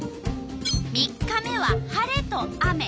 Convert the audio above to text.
３日目は晴れと雨。